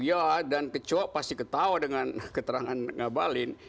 iya dan kecua pasti ketawa dengan keterangan ngabalin